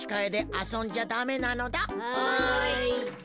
はい。